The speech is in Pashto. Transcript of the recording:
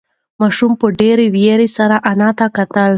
ماشوم په ډېرې وېرې سره انا ته کتل.